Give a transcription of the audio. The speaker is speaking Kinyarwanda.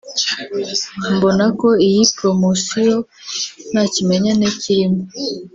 mbona ko iyi promosiyo nta kimenyane kirimo